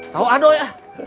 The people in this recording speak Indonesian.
tau aduh ya